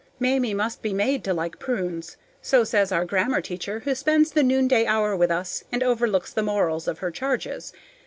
Mamie must be made to like prunes. So says our grammar teacher, who spends the noonday hour with us and overlooks the morals of our charges.